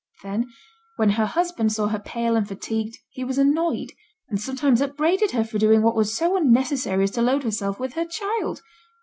Then, when her husband saw her pale and fatigued, he was annoyed, and sometimes upbraided her for doing what was so unnecessary as to load herself with her child.